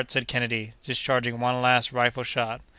said Kennedy, discharging one last rifle shot.